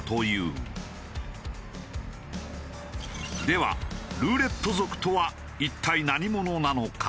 ではルーレット族とは一体何者なのか？